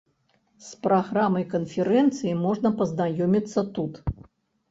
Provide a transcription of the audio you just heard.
З праграмай канферэнцыі можна пазнаёміцца тут.